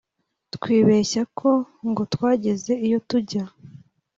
twibeshya ko ngo twageze iyo tujya